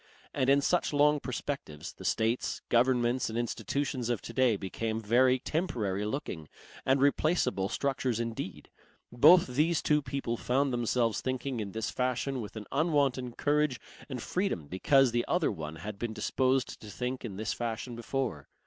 And in such long perspectives, the states, governments and institutions of to day became very temporary looking and replaceable structures indeed. Both these two people found themselves thinking in this fashion with an unwonted courage and freedom because the other one had been disposed to think in this fashion before.